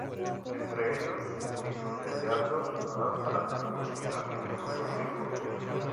Entre ellos se incluye el teatro, la danza, la música e incluso el circo.